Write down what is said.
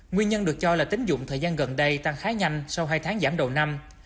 nguyên nhân được cho là tính dụng thời gian gần đây tăng khá nhanh sau hai tháng giảm đầu năm